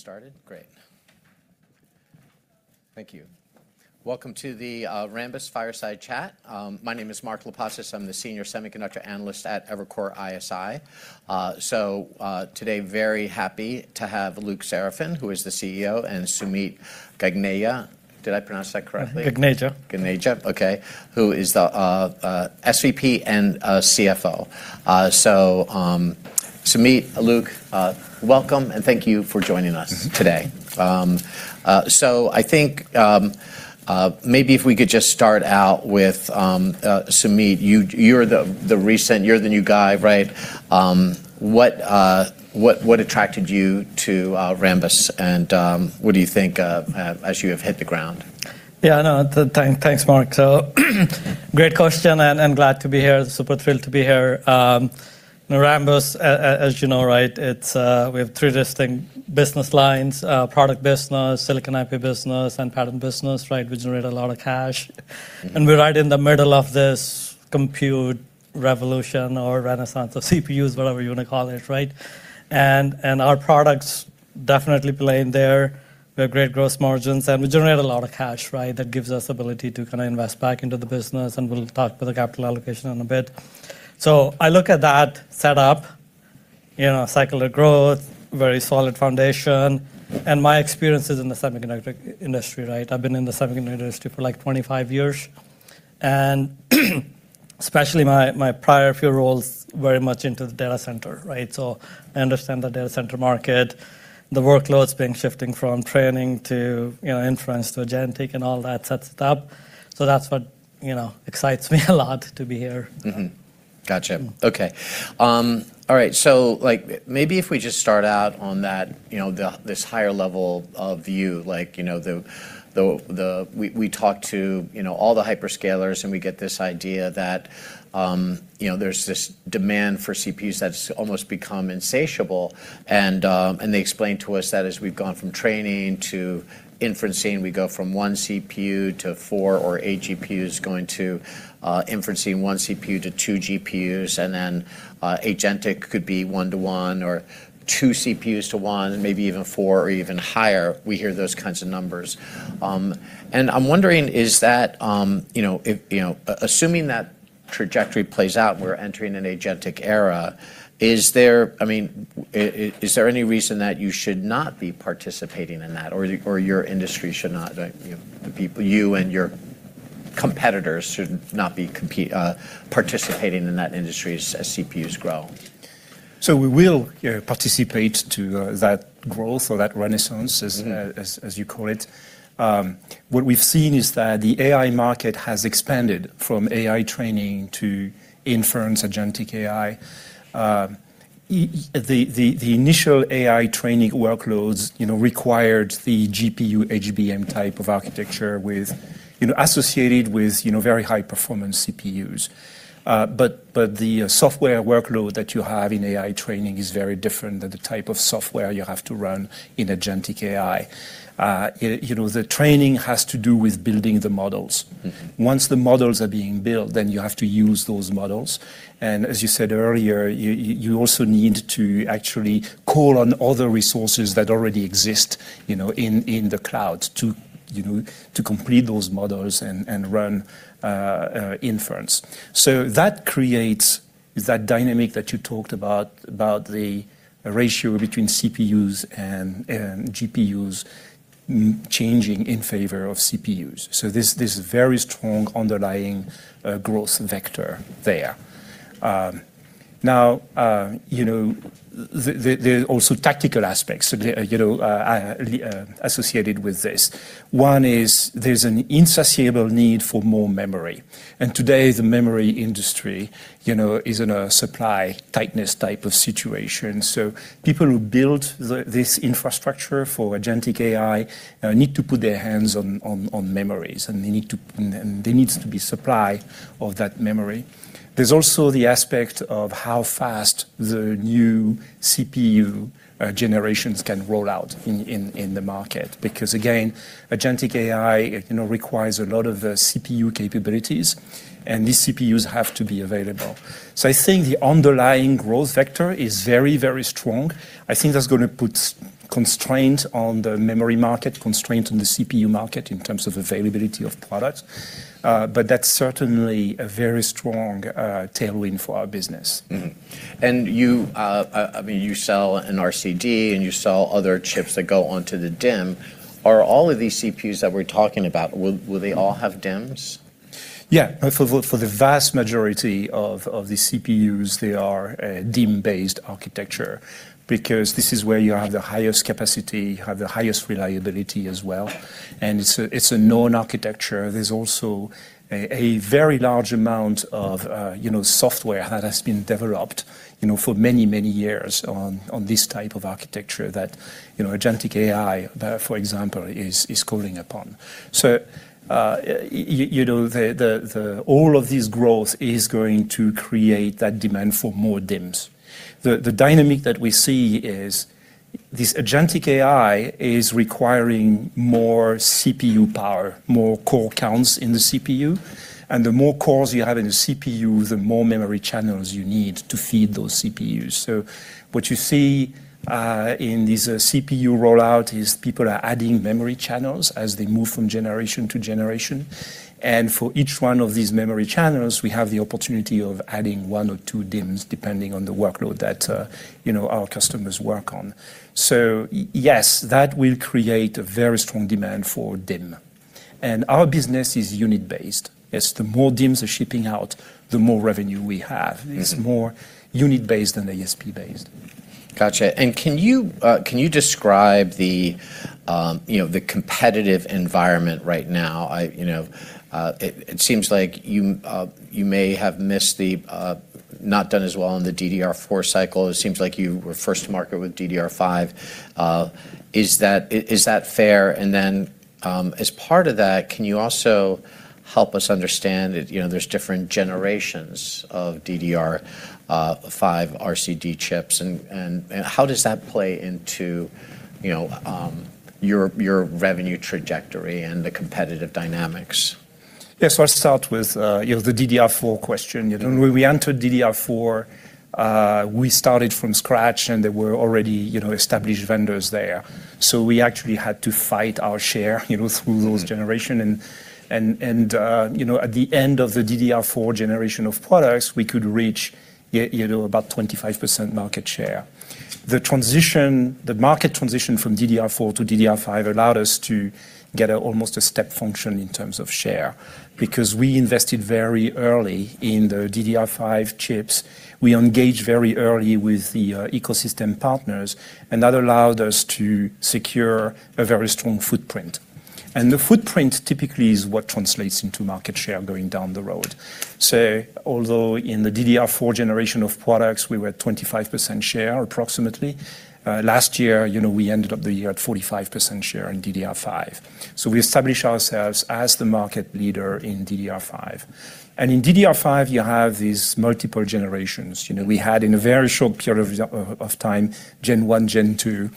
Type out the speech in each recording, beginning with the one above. Started? Great. Thank you. Welcome to the Rambus Fireside Chat. My name is Mark Lipacis. I'm the senior semiconductor analyst at Evercore ISI. Today, very happy to have Luc Seraphin, who is the CEO, and Sumeet Gagneja. Did I pronounce that correctly? Gagneja. Gagneja. Okay, who is the SVP and CFO. Sumeet, Luc, welcome, and thank you for joining us today. I think maybe if we could just start out with Sumeet. You're the new guy, right? What attracted you to Rambus, and what do you think as you have hit the ground? Yeah, no. Thanks, Mark Lipacis. Great question, and glad to be here. Super thrilled to be here. Rambus, as you know, we have three distinct business lines: product business, silicon IP business, and patent business, which generate a lot of cash. We're right in the middle of this compute revolution or renaissance of CPUs, whatever you want to call it, right? Our products definitely play in there. We have great gross margins, and we generate a lot of cash. That gives us ability to invest back into the business, and we'll talk about the capital allocation in a bit. I look at that set up, cyclical growth, very solid foundation. My experience is in the semiconductor industry. I've been in the semiconductor industry for 25 years, and especially my prior few roles very much into the data center. I understand the data center market, the workloads being shifting from training to inference to agentic and all that set up. That's what excites me a lot to be here. Mm-hmm. Got you. Okay. All right. Maybe if we just start out on this higher level of view. We talk to all the hyperscalers, and we get this idea that there's this demand for CPUs that's almost become insatiable. They explain to us that as we've gone from training to inferencing, we go from one CPU to four or eight GPUs going to inferencing one CPU to two GPUs, and then agentic could be one to one or two CPUs to one, maybe even four or even higher. We hear those kinds of numbers. I'm wondering, assuming that trajectory plays out, we're entering an agentic era, is there any reason that you should not be participating in that or your industry should not, the people you and your competitors should not be participating in that industry as CPUs grow? We will participate to that growth or that renaissance, as you call it. What we've seen is that the AI market has expanded from AI training to inference, agentic AI. The initial AI training workloads required the GPU HBM type of architecture associated with very high-performance CPUs. The software workload that you have in AI training is very different than the type of software you have to run in agentic AI. The training has to do with building the models. Once the models are being built, you have to use those models. As you said earlier, you also need to actually call on other resources that already exist in the cloud to complete those models and run inference. That creates that dynamic that you talked about the ratio between CPUs and GPUs changing in favor of CPUs. There's a very strong underlying growth vector there. Now, there are also tactical aspects associated with this. One is there's an insatiable need for more memory. Today, the memory industry is in a supply tightness type of situation. People who build this infrastructure for agentic AI need to put their hands on memories, and there needs to be supply of that memory. There's also the aspect of how fast the new CPU generations can roll out in the market. Again, agentic AI requires a lot of CPU capabilities, and these CPUs have to be available. I think the underlying growth vector is very strong. I think that's going to put constraint on the memory market, constraint on the CPU market in terms of availability of products. That's certainly a very strong tailwind for our business. Mm-hmm. You sell an RCD, and you sell other chips that go onto the DIMM. Are all of these CPUs that we're talking about, will they all have DIMMs? Yeah. For the vast majority of the CPUs, they are a DIMM-based architecture because this is where you have the highest capacity, have the highest reliability as well, and it's a known architecture. There's also a very large amount of software that has been developed for many, many years on this type of architecture that agentic AI, for example, is calling upon. All of this growth is going to create that demand for more DIMMs. The dynamic that we see is this agentic AI is requiring more CPU power, more core counts in the CPU. The more cores you have in the CPU, the more memory channels you need to feed those CPUs. What you see in this CPU rollout is people are adding memory channels as they move from generation to generation. For each one of these memory channels, we have the opportunity of adding one or two DIMMs, depending on the workload that our customers work on. Yes, that will create a very strong demand for DIMM. Our business is unit-based. As the more DIMMs are shipping out, the more revenue we have. It's more unit-based than ASP-based. Got you. Can you describe the competitive environment right now? It seems like you may have not done as well on the DDR4 cycle. It seems like you were first to market with DDR5. Is that fair? Then, as part of that, can you also help us understand it, there's different generations of DDR5 RCD chips and how does that play into your revenue trajectory and the competitive dynamics? Yeah. I'll start with the DDR4 question. When we entered DDR4, we started from scratch and there were already established vendors there. We actually had to fight our share through those generation. At the end of the DDR4 generation of products, we could reach about 25% market share. The market transition from DDR4 to DDR5 allowed us to get almost a step function in terms of share because we invested very early in the DDR5 chips. We engaged very early with the ecosystem partners, and that allowed us to secure a very strong footprint. The footprint typically is what translates into market share going down the road. Although in the DDR4 generation of products, we were at 25% share approximately, last year, we ended up the year at 45% share in DDR5. We established ourselves as the market leader in DDR5. In DDR5, you have these multiple generations. We had, in a very short period of time, gen 1, gen 2,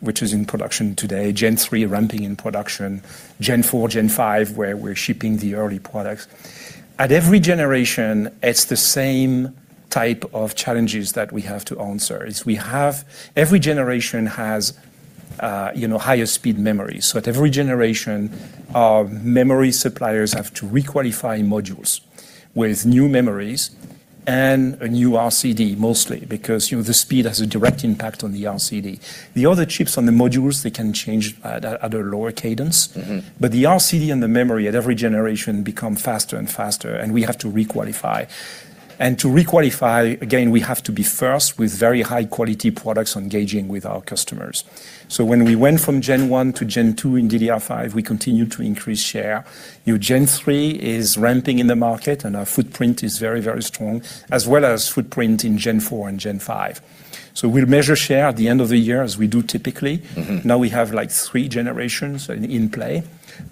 which is in production today, gen 3 ramping in production, gen 4, gen 5, where we're shipping the early products. At every generation, it's the same type of challenges that we have to answer. Every generation has higher speed memories. At every generation, our memory suppliers have to requalify modules with new memories and a new RCD mostly because the speed has a direct impact on the RCD. The other chips on the modules, they can change at a lower cadence. The RCD and the memory at every generation become faster and faster, and we have to requalify. To requalify, again, we have to be first with very high-quality products engaging with our customers. When we went from gen 1 to gen 2 in DDR5, we continued to increase share. Gen 3 is ramping in the market and our footprint is very, very strong, as well as footprint in gen 4 and gen 5. We'll measure share at the end of the year as we do typically. Now we have 3 generations in play.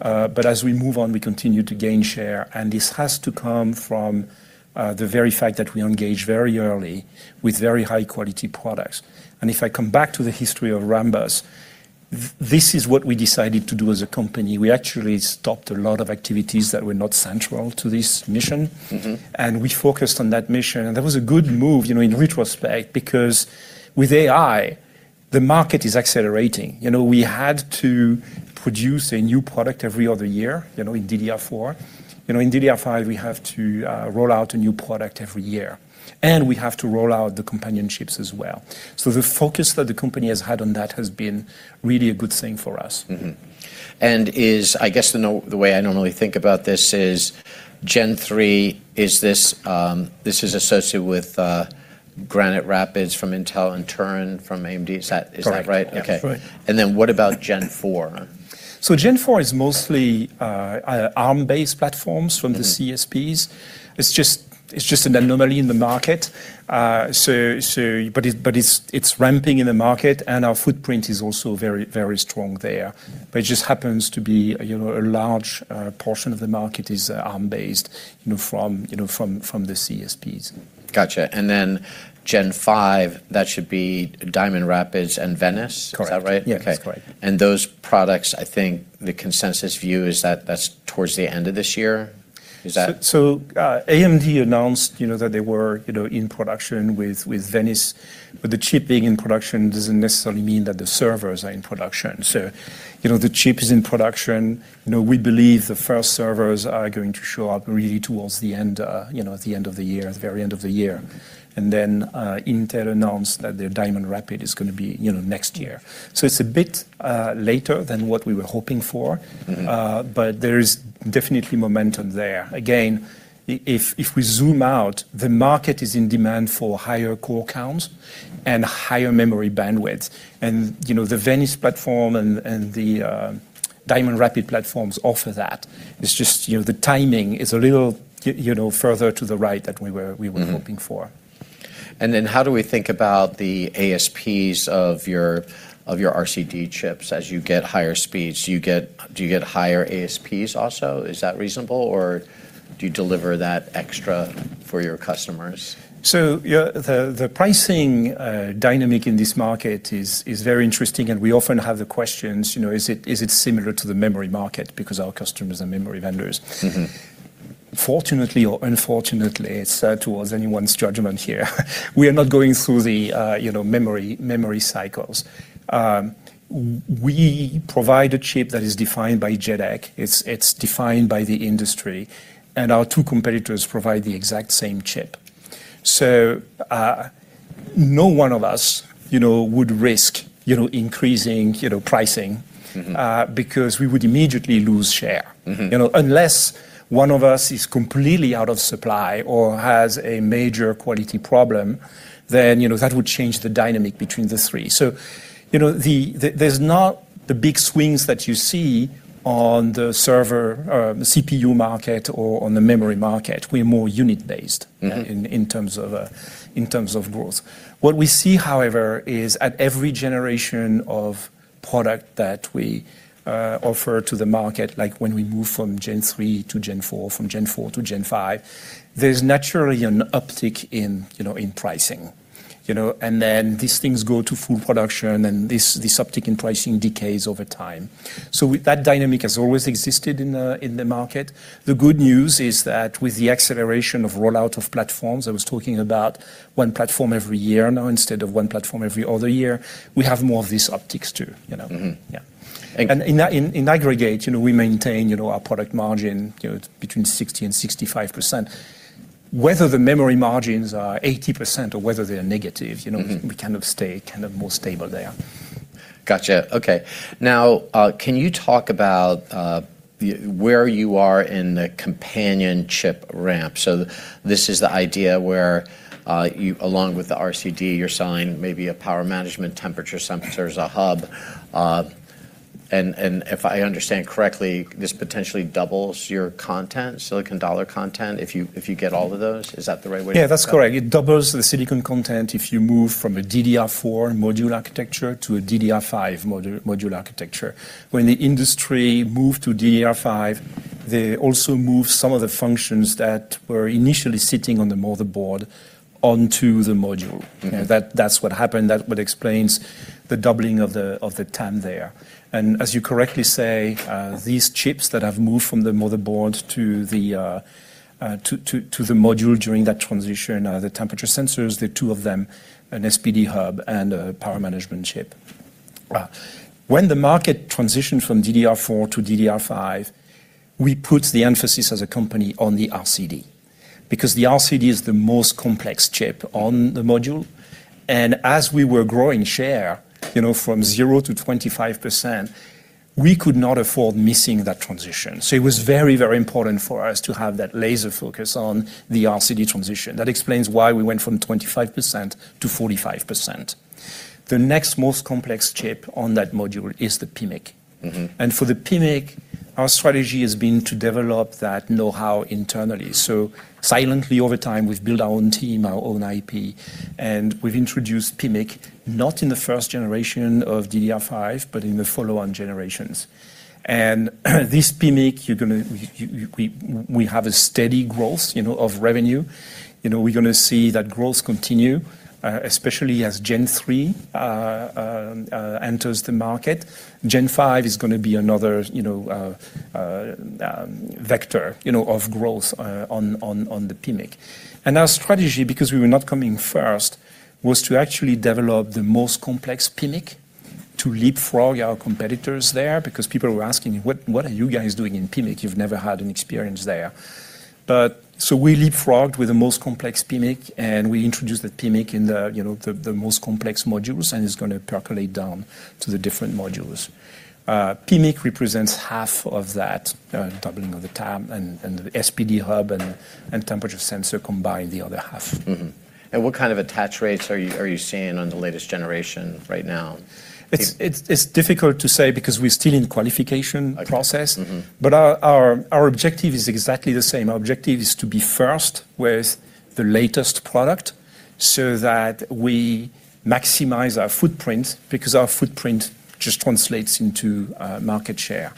As we move on, we continue to gain share, and this has to come from the very fact that we engage very early with very high-quality products. If I come back to the history of Rambus, this is what we decided to do as a company. We actually stopped a lot of activities that were not central to this mission. We focused on that mission. That was a good move, in retrospect because with AI, the market is accelerating. We had to produce a new product every other year, in DDR4. In DDR5, we have to roll out a new product every year, and we have to roll out the companion chips as well. The focus that the company has had on that has been really a good thing for us. I guess the way I normally think about this is gen 3, this is associated with Granite Rapids from Intel and Turin from AMD. Is that right? Correct. Okay. Right. What about gen 4? gen 4 is mostly Arm-based platforms. the CSPs. It's just an anomaly in the market. It's ramping in the market and our footprint is also very strong there. It just happens to be a large portion of the market is Arm-based from the CSPs. Got you. Gen 5, that should be Diamond Rapids and Venice? Correct. Is that right? Yeah, that's correct. Okay. Those products, I think the consensus view is that that's towards the end of this year. Is that? AMD announced that they were in production with Venice. The chip being in production doesn't necessarily mean that the servers are in production. The chip is in production. We believe the first servers are going to show up really towards the end of the year, at the very end of the year. Intel announced that their Diamond Rapids is going to be next year. It's a bit later than what we were hoping for. There is definitely momentum there. Again, if we zoom out, the market is in demand for higher core counts and higher memory bandwidth. The Venice platform and the Diamond Rapids Platforms offer that. It's just the timing is a little further to the right than we were hoping for. How do we think about the ASPs of your RCD chips as you get higher speeds? Do you get higher ASPs also? Is that reasonable, or do you deliver that extra for your customers? Yeah, the pricing dynamic in this market is very interesting, and we often have the questions, is it similar to the memory market because our customers are memory vendors? Fortunately or unfortunately, it's towards anyone's judgment here, we are not going through the memory cycles. We provide a chip that is defined by JEDEC, it's defined by the industry, and our two competitors provide the exact same chip. No one of us would risk increasing pricing- Because we would immediately lose share. Unless one of us is completely out of supply or has a major quality problem, then that would change the dynamic between the three. There's not the big swings that you see on the server or CPU market or on the memory market. We're more unit-based. in terms of growth. What we see, however, is at every generation of product that we offer to the market, like when we move from Gen3 to Gen4, from Gen4 to Gen5, there's naturally an uptick in pricing. Then these things go to full production, and this uptick in pricing decays over time. That dynamic has always existed in the market. The good news is that with the acceleration of rollout of platforms, I was talking about one platform every year now instead of one platform every other year, we have more of these upticks, too. Yeah. Thank you. In aggregate, we maintain our product margin between 60% and 65%. Whether the memory margins are 80% or whether they're negative. We kind of stay more stable there. Got you. Okay. Now, can you talk about where you are in the companion chip ramp? This is the idea where, along with the RCD, you're selling maybe a power management temperature sensor as a hub. If I understand correctly, this potentially doubles your content, silicon dollar content, if you get all of those. Is that the right way to? Yeah, that's correct. It doubles the silicon content if you move from a DDR4 module architecture to a DDR5 module architecture. When the industry moved to DDR5, they also moved some of the functions that were initially sitting on the motherboard onto the module. Okay. That's what happened. That's what explains the doubling of the time there. As you correctly say, these chips that have moved from the motherboard to the module during that transition are the temperature sensors, the two of them, an SPD hub and a power management chip. When the market transitioned from DDR4 to DDR5, we put the emphasis as a company on the RCD, because the RCD is the most complex chip on the module. As we were growing share from 0 to 25%, we could not afford missing that transition. It was very, very important for us to have that laser focus on the RCD transition. That explains why we went from 25% to 45%. Next most complex chip on that module is the PMIC. For the PMIC, our strategy has been to develop that know-how internally. Silently over time, we've built our own team, our own IP, and we've introduced PMIC, not in the first generation of DDR5, but in the follow-on generations. This PMIC, we have a steady growth of revenue. We're going to see that growth continue, especially as Gen3 enters the market. Gen5 is going to be another vector of growth on the PMIC. Our strategy, because we were not coming first, was to actually develop the most complex PMIC to leapfrog our competitors there, because people were asking, "What are you guys doing in PMIC? You've never had an experience there?" We leapfrogged with the most complex PMIC, and we introduced the PMIC in the most complex modules, and it's going to percolate down to the different modules. PMIC represents half of that doubling of the TAM, and the SPD hub and temperature sensor combine the other half. What kind of attach rates are you seeing on the latest generation right now? It's difficult to say because we're still in the qualification process. Okay. Mm-hmm. Our objective is exactly the same. Our objective is to be first with the latest product so that we maximize our footprint because our footprint just translates into market share.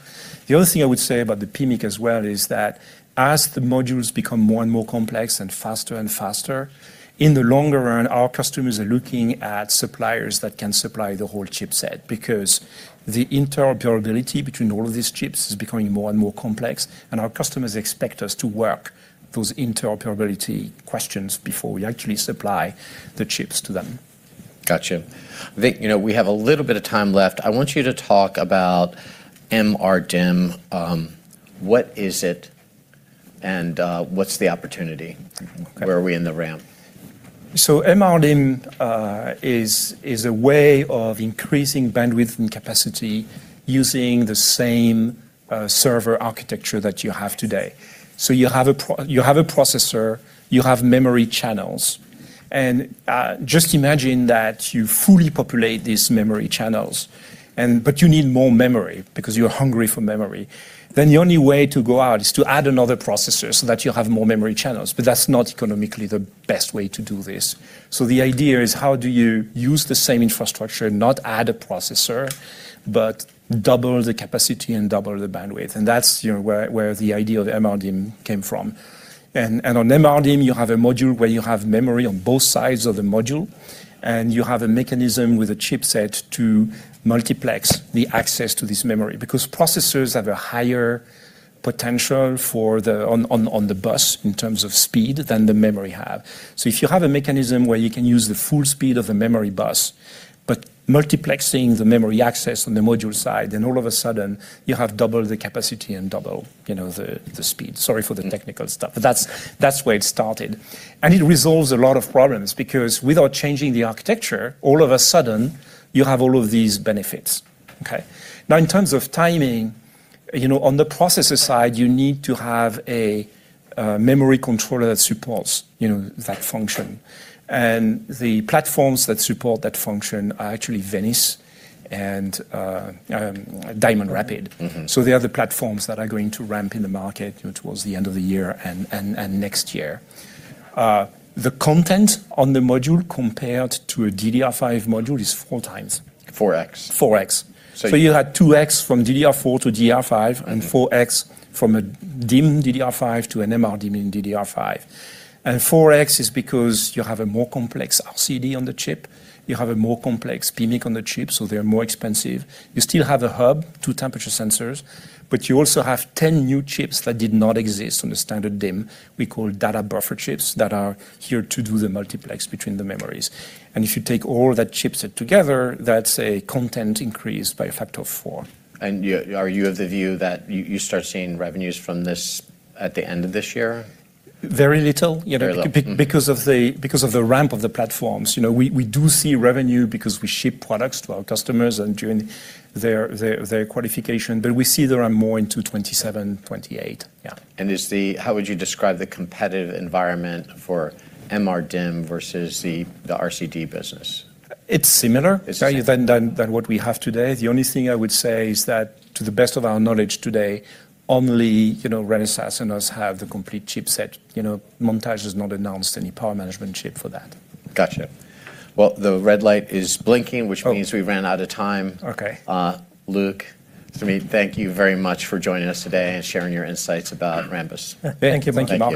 The other thing I would say about the PMIC as well is that as the modules become more and more complex and faster and faster, in the longer run, our customers are looking at suppliers that can supply the whole chipset because the interoperability between all of these chips is becoming more and more complex, and our customers expect us to work those interoperability questions before we actually supply the chips to them. Got you. Luc, we have a little bit of time left. I want you to talk about MRDIMM. What is it, and what's the opportunity? Okay. Where are we in the ramp? MRDIMM is a way of increasing bandwidth and capacity using the same server architecture that you have today. You have a processor, you have memory channels, and just imagine that you fully populate these memory channels. You need more memory because you're hungry for memory. The only way to go out is to add another processor so that you have more memory channels, but that's not economically the best way to do this. The idea is how do you use the same infrastructure, not add a processor, but double the capacity and double the bandwidth. That's where the idea of the MRDIMM came from. On an MRDIMM, you have a module where you have memory on both sides of the module, and you have a mechanism with a chipset to multiplex the access to this memory. Because processors have a higher potential on the bus in terms of speed than the memory have. If you have a mechanism where you can use the full speed of a memory bus, but multiplexing the memory access on the module side, then all of a sudden you have double the capacity and double the speed. Sorry for the technical stuff, but that's where it started. It resolves a lot of problems because without changing the architecture, all of a sudden you have all of these benefits. Okay. Now, in terms of timing, on the processor side, you need to have a memory controller that supports that function. The platforms that support that function are actually Venice and Diamond Rapids. The other platforms that are going to ramp in the market towards the end of the year and next year. The content on the module compared to a DDR5 module is four times. 4X. 4X. So- You had 2X from DDR4 to DDR5, and 4X from a DIMM DDR5 to an MRDIMM DDR5. 4X is because you have a more complex RCD on the chip, you have a more complex PMIC on the chip, so they're more expensive. You still have a hub, two temperature sensors, but you also have 10 new chips that did not exist on the standard DIMM we call data buffer chips that are here to do the multiplex between the memories. If you take all that chipset together, that's a content increase by a factor of four. Are you of the view that you start seeing revenues from this at the end of this year? Very little. Very little. Mm-hmm because of the ramp of the platforms. We do see revenue because we ship products to our customers and during their qualification, but we see there are more into 2027, 2028. Yeah. How would you describe the competitive environment for MRDIMM versus the RCD business? It's similar- It's similar. than what we have today. The only thing I would say is that, to the best of our knowledge today, only Renesas and us have the complete chipset. Montage has not announced any power management chip for that. Got you. Well, the red light is blinking, which means. Oh We ran out of time. Okay. Luc, thank you very much for joining us today and sharing your insights about Rambus. Thank you. Thank you, Mark